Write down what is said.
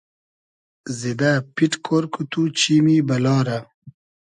زیدۂ پیݖ کۉر کو تو چیمی بئلا رۂ